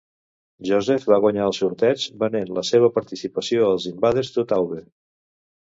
Joseph va guanyar el sorteig, venent la seva participació als Invaders to Taube.